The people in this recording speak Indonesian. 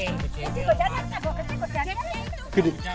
ini gua jalan kan gua kecil gua jalan